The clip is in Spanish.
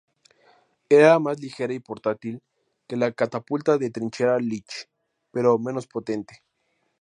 Era más ligera y portátil que la catapulta de trinchera Leach, pero menos potente.